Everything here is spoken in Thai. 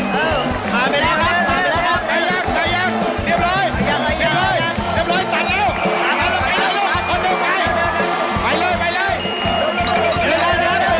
ทำไมขึ้นไม่เหมือนกัน